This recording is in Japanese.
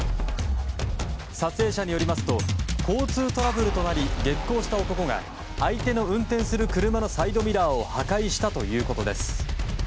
撮影者によりますと交通トラブルとなり激高した男が相手の運転する車のサイドミラーを破壊したということです。